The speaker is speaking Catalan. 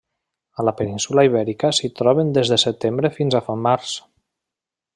A la península Ibèrica s'hi troben des de setembre fins a març.